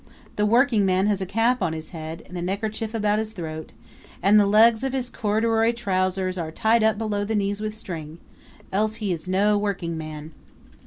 The workingman has a cap on his head and a neckerchief about his throat, and the legs of his corduroy trousers are tied up below the knees with strings else he is no workingman.